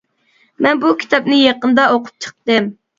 مەن بۇ كىتابنى يېقىندا ئوقۇپ چىقتىم.